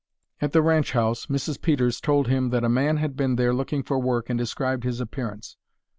At the ranch house Mrs. Peters told him that a man had been there looking for work and described his appearance.